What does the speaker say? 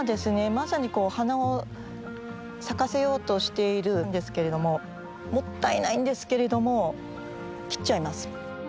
まさにこう花を咲かせようとしているんですけれどももったいないんですけれども切っちゃいます。